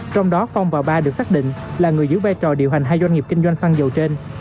trong đó phong và ba được xác định là người giữ vai trò điều hành hai doanh nghiệp kinh doanh xăng dầu trên